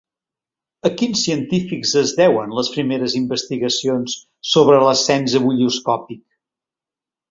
A quins científics es deuen les primeres investigacions sobre l'ascens ebullioscòpic?